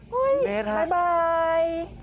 เฮ้ยบ๊ายบาย